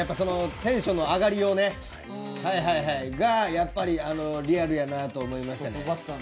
テンションの上がりようね、リアルやなと思いましたね。